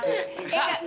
saya satu pun